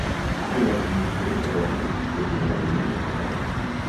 Ha guanyat més de trenta torneigs de primera línia en total.